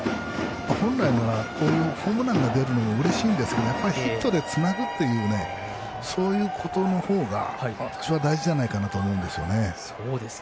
本来ならホームランが出るのはうれしいんですがヒットでつなぐということの方が私は大事じゃないかなと思うんです。